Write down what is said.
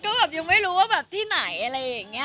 ก็ยังไม่รู้ที่ไหน